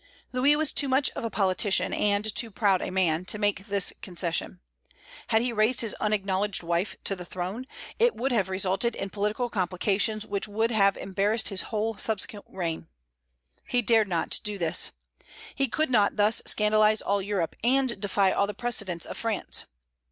Louis was too much of a politician, and too proud a man, to make this concession. Had he raised his unacknowledged wife to the throne, it would have resulted in political complications which would have embarrassed his whole subsequent reign. He dared not do this. He could not thus scandalize all Europe, and defy all the precedents of France.